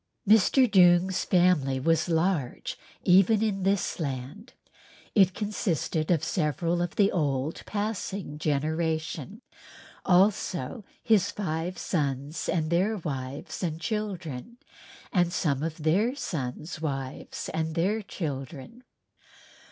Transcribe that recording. Mr. Doong's family was large even for this land, it consisted of several of the old passing generation, also his five sons and their wives and children and some of their sons' wives and their children.